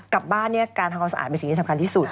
กลับบ้านเนี่ยการทำความสะอาดเป็นสิ่งที่สำคัญที่สุด